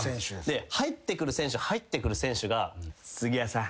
で入ってくる選手入ってくる選手が「杉谷さん